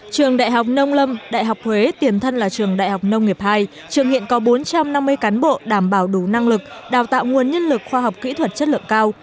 trường đại học nông lâm đại học huế tiền thân là trường đại học nông nghiệp hai trường hiện có bốn trăm năm mươi cán bộ đảm bảo đủ năng lực đào tạo nguồn nhân lực khoa học kỹ thuật chất lượng cao